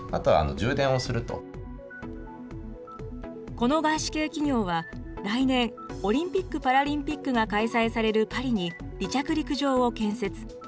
この外資系企業は、来年、オリンピック・パラリンピックが開催されるパリに、離着陸場を建設。